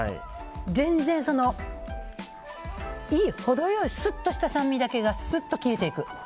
全然程良いすっとした酸味だけがすっと消えていく。